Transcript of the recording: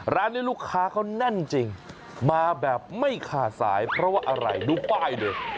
ร้านนี้ลูกค้าเขาแน่นจริงมาแบบไม่ขาดสายเพราะว่าอะไรดูป้ายดิ